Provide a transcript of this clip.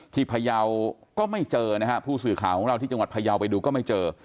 พยาวก็ไม่เจอนะฮะผู้สื่อข่าวของเราที่จังหวัดพยาวไปดูก็ไม่เจอ